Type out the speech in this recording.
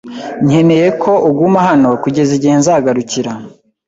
nkeneye ko uguma hano kugeza igihe nzagarukira.